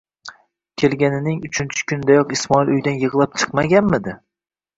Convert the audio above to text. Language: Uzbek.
Kelganining uchinchi kuniyoq Ismoil uydan yig'lab chiqmaganmidi?